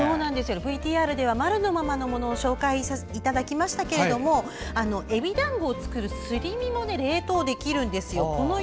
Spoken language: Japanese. ＶＴＲでは生のままのものをご紹介しましたがエビだんごを作る、すり身も冷凍できるんですよ。